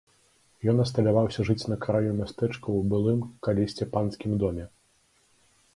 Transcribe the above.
Ён асталяваўся жыць на краю мястэчка ў былым калісьці панскім доме.